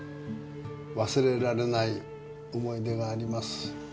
忘れられない思い出があります。